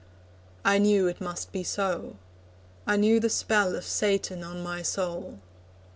I knew it must be so. I knew the spell Of Satan on my soul.